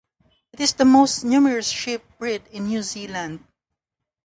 It is the most numerous sheep breed in New Zealand.